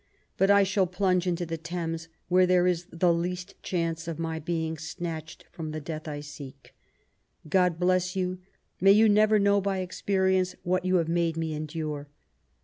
But I shall plunge into the Thames where there is the least •chance of my being snatched from the death I seek. God bless you I May you never know by experience what you have made me endure.